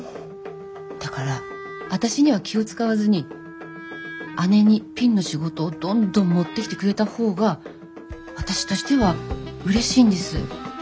だから私には気を遣わずに姉にピンの仕事をどんどん持ってきてくれた方が私としてはうれしいんです。